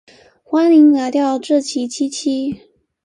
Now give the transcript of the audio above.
歡迎來到志祺七七